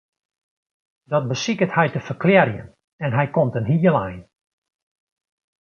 Dat besiket hy te ferklearjen en hy komt in heel ein.